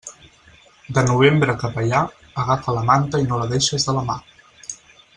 De novembre cap allà, agafa la manta i no la deixes de la mà.